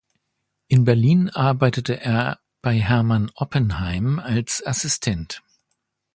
In Berlin arbeitete er bei Hermann Oppenheim als Assistent.